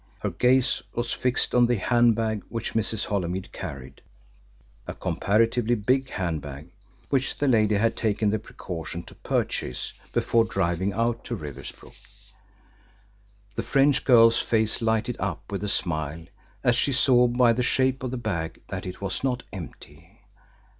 Her gaze was fixed on a hand bag which Mrs. Holymead carried a comparatively big hand bag which the lady had taken the precaution to purchase before driving out to Riversbrook. The French girl's face lighted up with a smile as she saw by the shape of the bag that it was not empty.